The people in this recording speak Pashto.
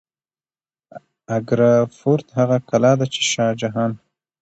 اګره فورت هغه کلا ده چې شاه جهان